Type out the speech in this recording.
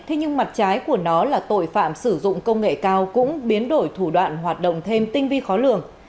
thế nhưng mặt trái của nó là tội phạm sử dụng công nghệ cao cũng biến đổi thủ đoạn hoạt động thêm tinh vi khó lường